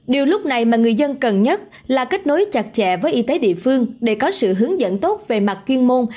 điều lúc này mà người dân cần nhất là kết nối chặt chẽ với y tế địa phương để có sự hướng dẫn tốt về mặt chuyên môn